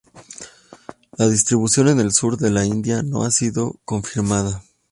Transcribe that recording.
La distribución en el sur de la India no ha sido confirmada.